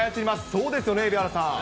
そうですよね、蛯原さん。